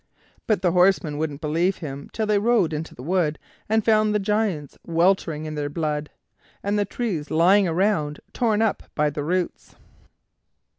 But the horsemen wouldn't believe him till they rode into the wood and found the Giants weltering in their blood, and the trees lying around, torn up by the roots.